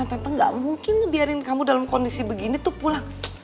tete gak mungkin ngebiarin kamu dalam kondisi begini tuh pulang